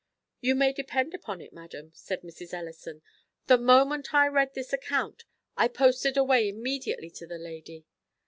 "You may depend upon it, madam," said Mrs. Ellison, "the moment I read this account I posted away immediately to the lady.